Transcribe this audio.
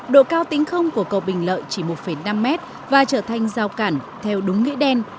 độ cao tính không của cầu bình lợi chỉ một năm mét và trở thành giao cản theo đúng nghĩa đen